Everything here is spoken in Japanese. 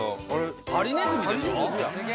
ハリネズミでしょ？